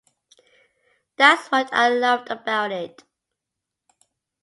That's what I loved about it.